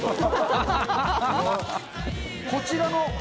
こちらの。